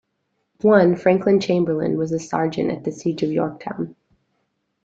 One, Franklin Chamberlain, was a sergeant at the Siege of Yorktown.